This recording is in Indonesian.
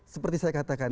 seperti saya katakan tadi